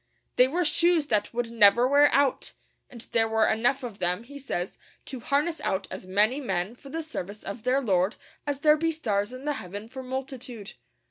They were shoes that would never wear out; and there were enough of them, he says, to harness out as many men for the service of their Lord as there be stars in the heaven for multitude.